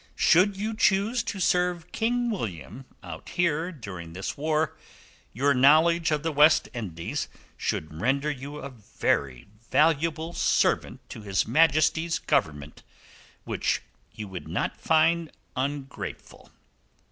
Should you choose to serve King William out here during this war, your knowledge of the West Indies should render you a very valuable servant to His Majesty's Government, which you would not find ungrateful.